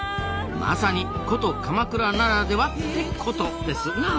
まさに古都鎌倉ならではってコトですな。